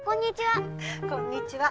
こんにちは。